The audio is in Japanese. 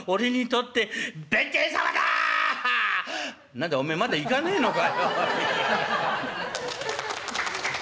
何だおめえまだ行かねえのか？」。